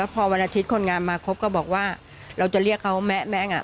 ผมบอกว่าเราจะเรียกเขาแมะอะ